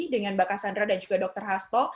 dengan mbak cassandra dan juga dr hasto